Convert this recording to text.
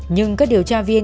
nhưng các điều tra viên